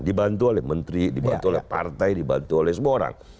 dibantu oleh menteri dibantu oleh partai dibantu oleh semua orang